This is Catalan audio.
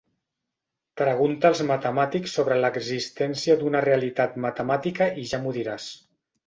Pregunta als matemàtics sobre l'existència d'una realitat matemàtica i ja m'ho diràs.